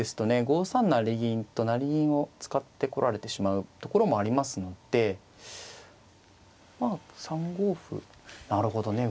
５三成銀と成銀を使ってこられてしまうところもありますのでまあ３五歩なるほどね